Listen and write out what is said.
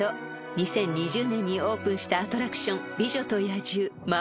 ［２０２０年にオープンしたアトラクション］